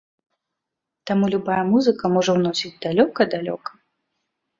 Таму любая музыка можа ўносіць далёка-далёка.